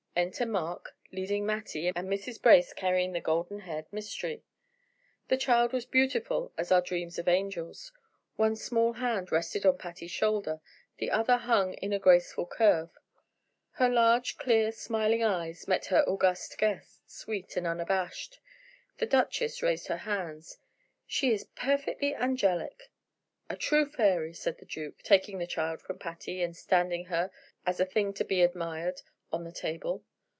Enter Mark, leading Mattie, and Mrs. Brace carrying the golden haired mystery. The child was beautiful as our dreams of angels. One small hand rested on Patty's shoulder, the other hung in a graceful curve; her large, clear, smiling eyes met her august guests, sweet and unabashed. The duchess raised her hands. "She is perfectly angelic!" "A true fairy," said the duke, taking the child from Patty, and standing her, as a thing to be admired, on the table.